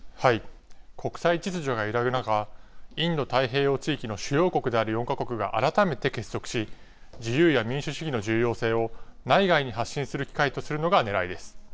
国際秩序が揺らぐ中、インド太平洋地域の主要国である４か国が改めて結束し、自由や民主主義の重要性を内外に発信する機会とするのがねらいです。